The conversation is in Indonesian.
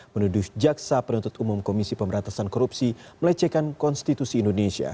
menuduh jaksa penuntut umum komisi pemberantasan korupsi melecehkan konstitusi indonesia